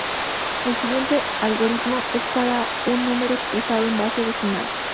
El siguiente algoritmo es para un número expresado en base decimal.